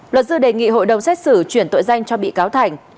luật sư đề nghị hội đồng xét xử chuyển tội danh cho bị cáo thành